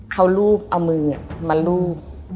เขารูปเอามือมาลูบ